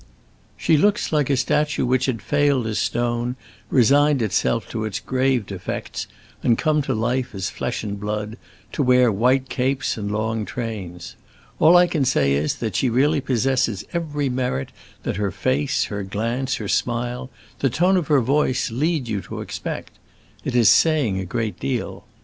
She looks like a statue which had failed as stone, resigned itself to its grave defects, and come to life as flesh and blood, to wear white capes and long trains. All I can say is that she really possesses every merit that her face, her glance, her smile, the tone of her voice, lead you to expect; it is saying a great deal.